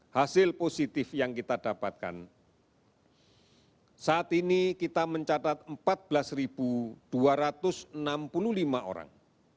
hasil positif yang kita dapatkan saat ini kita mencatat empat belas dua ratus enam puluh lima orang